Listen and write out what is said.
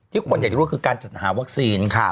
ที่ควรอยากรู้ก็คือการจัดหาวัคซีน